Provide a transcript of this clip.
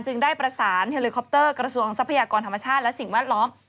ได้ประสานเฮลิคอปเตอร์กระทรวงทรัพยากรธรรมชาติและสิ่งแวดล้อม